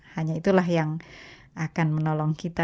hanya itulah yang akan menolong kita